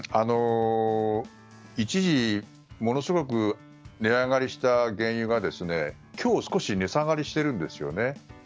一時ものすごく値上がりした原油が今日、少し値下がりしてるんですよね。